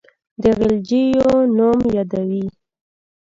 د غلجیو نوم یادوي.